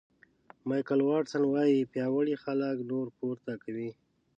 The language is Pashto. مایکل واټسن وایي پیاوړي خلک نور پورته کوي.